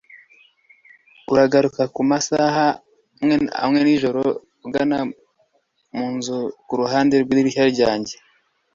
uragaruka kumasaha amwe nijoro ugana munzu kuruhande rwidirishya ryanjye